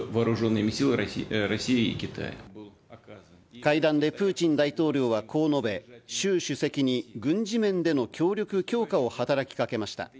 会談でプーチン大統領はこう述べ、習主席に軍事面での協力強化を働きかけました。